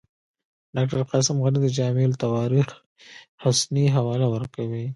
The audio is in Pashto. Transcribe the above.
ډاکټر قاسم غني د جامع التواریخ حسني حواله ورکوي.